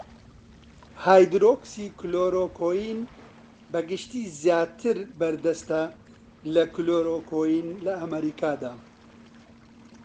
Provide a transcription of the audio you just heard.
هایدرۆکسی کلۆرۆکوین بەگشتی زیاتر بەردەستە لە کلۆرۆکوین لە ئەمەریکادا.